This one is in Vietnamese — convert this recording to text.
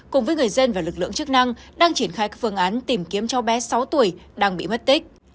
cùng với người dân và lực lượng chức năng đang triển khai các phương án tìm kiếm cháu bé sáu tuổi đang bị mất tích